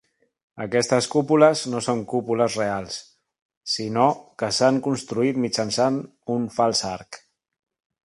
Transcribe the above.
Aquestes cúpules no són cúpules reals, sinó que s'han construït mitjançant un fals arc.